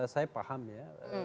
saya paham ya